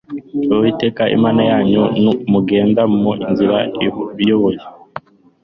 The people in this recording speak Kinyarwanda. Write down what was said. uwiteka imana yanyu mugende mu nzira ibayoboye